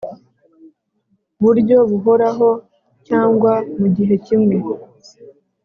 buryo buhoraho cyangwa mu gihe kimwe